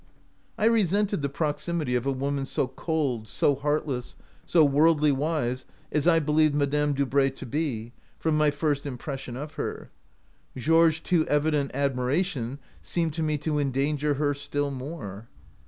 " I resented the proximity of a woman so cold, so heartless, so worldly wise as I believed Madame Dubray to be, from my first impres sion of her. Georges' too evident admira tion seemed to me to endanger her still more.